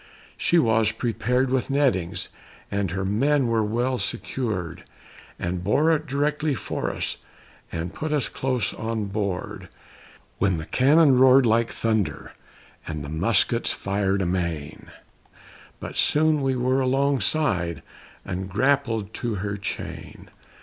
She was prepared with nettings, And her men were well secured, And bore directly for us, And put us close on board; When the cannon roared like thunder, And the muskets fired amain, But soon we were alongside And grappled to her chain.